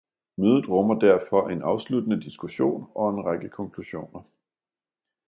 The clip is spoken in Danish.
Mødet rummer derfor en afsluttende diskussion og en række konklusioner